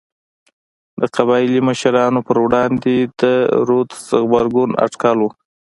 د قبایلي مشرانو پر وړاندې د رودز غبرګون اټکل و.